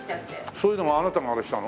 そういうのはあなたがあれしたの？